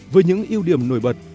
với những ưu điểm nổi bật